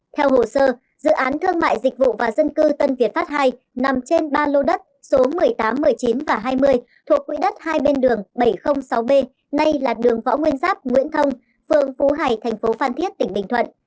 theo hồ sơ dự án thương mại dịch vụ và dân cư tân việt pháp ii nằm trên ba lô đất số một mươi tám một mươi chín và hai mươi thuộc quỹ đất hai bên đường bảy trăm linh sáu b nay là đường võ nguyên giáp nguyễn thông phường phú hải thành phố phan thiết tỉnh bình thuận